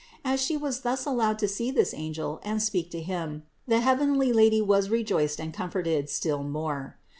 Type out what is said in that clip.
As She was thus allowed to see this angel and speak to him, the heavenly Lady was rejoiced and comforted still more.